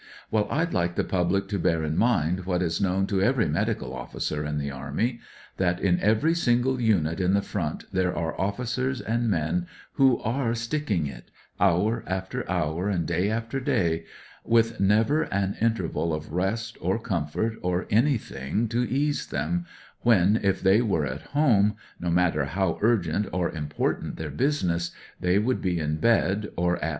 " Well, I'd like the public to bear in mind what is known to every medical officer in the Army, that in every single unit on the front there are officers and men who are ' sticking it,' hour after hour, and day after day, with never an interval of rest or comfort, or anything to ease them, when, if they were at home, no matter how urgent or important their busmess, they would be m bed, or at 206 WHAT EVERY MO.